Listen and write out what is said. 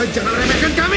jangan remehkan kami